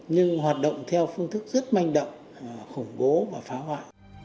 nhưng hoạt động theo phương thức rất manh động khủng bố và phá hoại